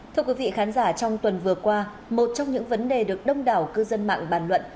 thưa quý vị khán giả trong tuần vừa qua một trong những vấn đề được đông đảo cư dân mạng bàn luận